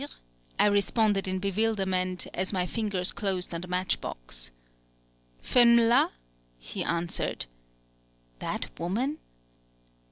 ] I responded in bewilderment, as my fingers closed on the match box. "Fenm là?" he answered.... THAT WOMAN?